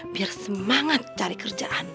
biar semangat cari kerjaan